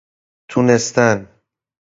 تونستن